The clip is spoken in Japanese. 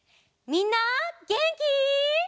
みんなげんき？